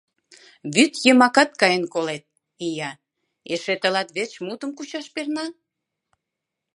— Вӱд йымакат каен колет, ия, эше тылат верч мутым кучаш перна!..